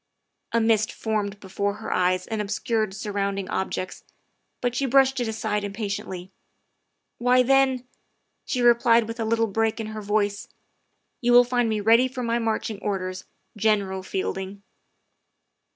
A mist formed before her eyes and obscured surround ing objects, but she brushed it aside impatiently. " Why, then," she replied with a little break in her voice, " you will find me ready for my marching orders, General Fielding."